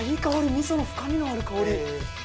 味噌の深みのある香り。